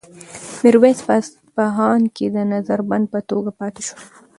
میرویس په اصفهان کې د نظر بند په توګه پاتې شو.